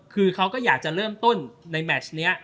คือเขาก็อยากจะเริ่มต้นในแมชนี้